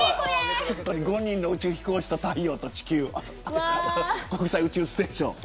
５人の宇宙飛行士と太陽と地球国際宇宙ステーション。